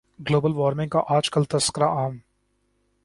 global warming کا آج کل تذکرہ عام